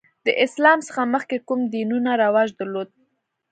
د اسلام څخه مخکې کوم دینونه رواج درلود؟